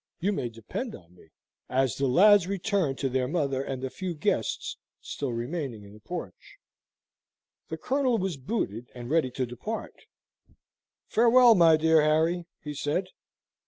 You may depend on me," as the lads returned to their mother and the few guests still remaining in the porch. The Colonel was booted and ready to depart. "Farewell, my dear Harry," he said.